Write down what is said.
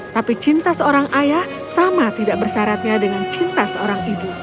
tapi cinta seorang ayah sama tidak bersaratnya dengan cinta seorang ibu